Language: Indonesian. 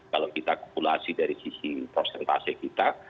kalau kita kukulasi dari sisi persentase kita